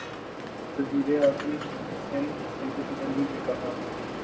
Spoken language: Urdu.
وزیر تعلیم سندھ سعید غنی نےکہا